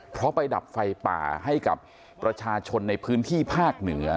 เพราะไปดับไฟป่าให้กับประชาชนในพื้นที่ภาคเหนือ